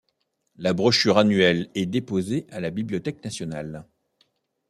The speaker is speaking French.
La brochure annuelle est déposée à la bibliothèque nationale.